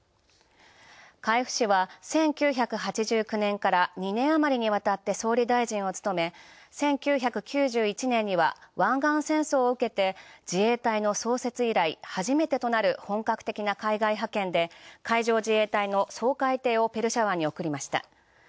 海部氏は、１９８９年から２年余りにわたって総理大臣を務め１９９１年には湾岸戦争を受けて自衛隊の創設以来初めてとなる本格的な海外派遣で海上自衛隊の掃海艇をペルシャ湾に送りました。